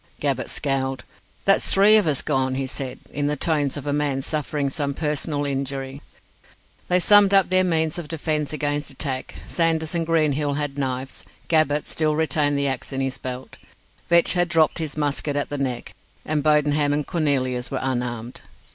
Gabbett scowled. "That's three of us gone," he said, in the tones of a man suffering some personal injury. They summed up their means of defence against attack. Sanders and Greenhill had knives. Gabbett still retained the axe in his belt. Vetch had dropped his musket at the Neck, and Bodenham and Cornelius were unarmed.